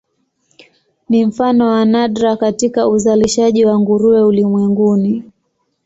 Ni mfano wa nadra katika uzalishaji wa nguruwe ulimwenguni.